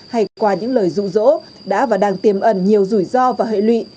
hay qua những lời dụ dỗ đã và đang tiềm ẩn nhiều rủi ro và hệ lụy